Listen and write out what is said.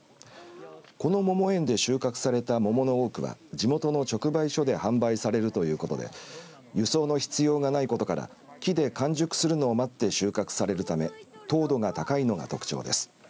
この桃園で収穫された桃の多くは地元の直売所で販売されるということで輸送の必要がないことから木で完熟するのを待って収穫されるため糖度が高いのが特徴です。